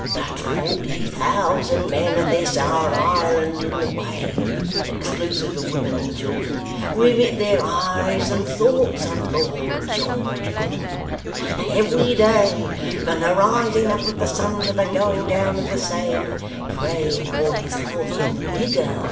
But forty thousand men of this our island in the wave (exclusive of women and children) rivet their eyes and thoughts on Lord George Gordon; and every day, from the rising up of the sun to the going down of the same, pray for his health and vigour.